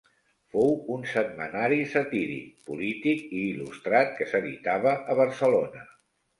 Fou un setmanari satíric, polític i il·lustrat que s'editava a Barcelona.